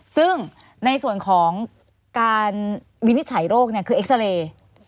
ซึ่งในส่วนของการวินิจฉัยโรคเนี่ยคือเอ็กซาเรย์